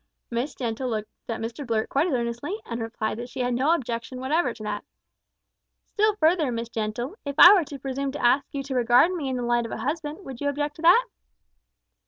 Miss Gentle looked at Mr Blurt quite as earnestly, and replied that she had no objection whatever to that. "Still further, Miss Gentle: if I were to presume to ask you to regard me in the light of a husband, would you object to that?"